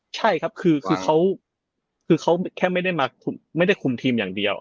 ใช่ครับคือเขาแค่ไม่ได้คุมทีมอย่างเดียว